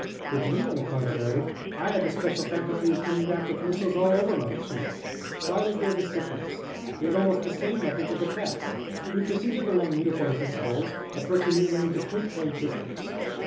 With me, on the contrary, I had the special faculty of coming back with missiles all over my machine. Why was there this difference? We had almost the same methods of attack. We proceeded along uniform principles, approaching the enemy to point blank distance.